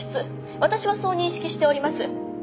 私はそう認識しております。